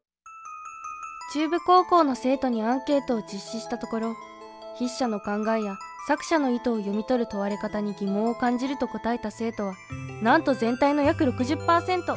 中部高校の生徒にアンケートを実施したところ筆者の考えや作者の意図を読み取る問われ方に疑問を感じると答えた生徒はなんと全体の約６０％。